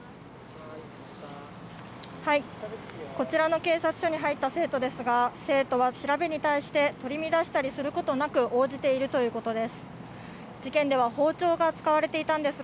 こちらの警察署に入った生徒ですが、生徒は調べに対して、取り乱したりすることなく、応じているということです。